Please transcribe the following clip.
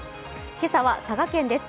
今朝は佐賀県です。